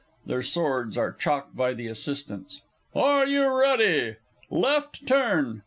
(Their swords are chalked by the Assistants.) Are you ready? Left turn!